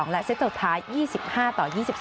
และเซตสุดท้าย๒๕ต่อ๒๓